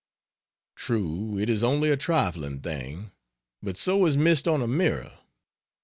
True, it is only a trifling thing; but so is mist on a mirror.